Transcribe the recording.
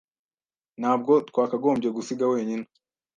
Ntabwo twakagombye gusiga wenyine.